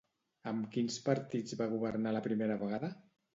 Amb quins partits va governar la primera vegada?